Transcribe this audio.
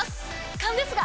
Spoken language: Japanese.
勘ですが！